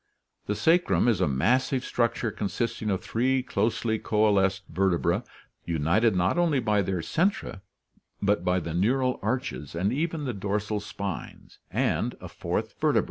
The sacrum is a massive structure consisting of three closely coalesced vertebrae united not only by their centra but by the neural arches and even the dorsal spines, and a fourth vertebra Plate IH4e Carnegie Museum at Pittsburgh.